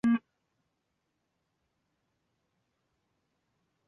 毕业于湖南大学材料科学与工程专业。